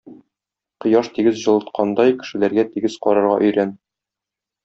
Кояш тигез җылыткандай кешеләргә тигез карарга өйрән.